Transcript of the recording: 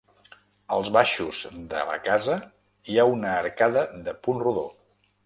Als baixos de la casa hi ha una arcada de punt rodó.